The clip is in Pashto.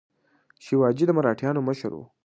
شیواجي د مراتیانو مشر و.